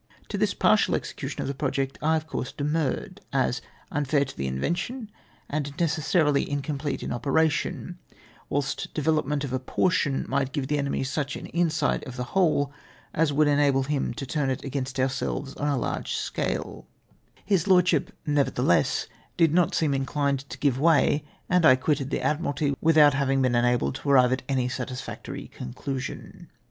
To this partial execution of the project I of course demurred, as unfair to the invention and necessarily incomplete in operation, whilst development of a portion might give the enemy such an insight of the whole as would enable him to tiuii it against ourselves on a large scale ; his lordship, nevertheless, did not seem inclined to give NEGOTIATIONS THEREOX. 229 way, and I quitted the Admiralty without having been enabled to arrive at any satisfactory conclusion.